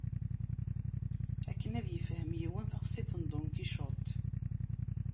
Akken ad yefhem yiwen taqsiṭ n Don Kicuṭ.